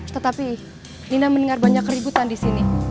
tetapi nina mendengar banyak keributan disini